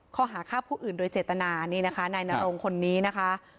ข้อหาฆ่าผู้อื่นโดยเจตนานี่นะคะนายนรงคนนี้นะคะ